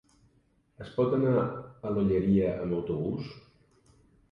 Es pot anar a l'Olleria amb autobús?